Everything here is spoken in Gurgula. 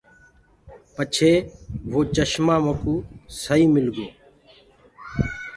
پچهي وو چشمآ مڪوُ سئي مِل گو۔